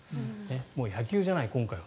もう野球じゃない今回は。